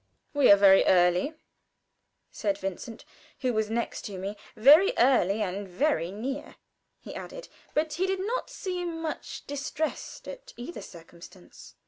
"We are very early," said Vincent, who was next to me, "very early, and very near," he added, but he did not seem much distressed at either circumstance.